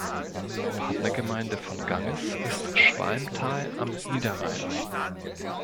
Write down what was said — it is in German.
Partnergemeinde von Ganges ist Schwalmtal am Niederrhein.